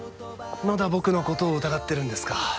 まだ僕のことを疑ってるんですか。